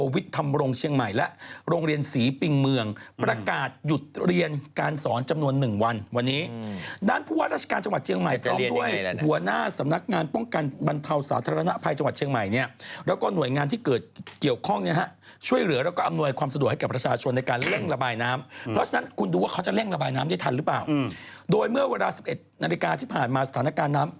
ด้านผู้ว่าราชการจังหวัดเชียงใหม่พร้อมด้วยหัวหน้าสำนักงานป้องกันบรรเทาสาธารณภัยจังหวัดเชียงใหม่เนี่ยแล้วก็หน่วยงานที่เกี่ยวข้องเนี่ยฮะช่วยเหลือแล้วก็อำนวยความสะดวกให้กับประชาชนในการเร่งระบายน้ำเพราะฉะนั้นคุณดูว่าเขาจะเร่งระบายน้ำได้ทันหรือเปล่าโดยเมื่อเวลา๑๑นาฬิกาที่ผ่านมาสถานการณ์น้ำ